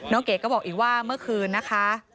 เก๋ก็บอกอีกว่าเมื่อคืนนะคะ